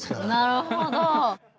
なるほど。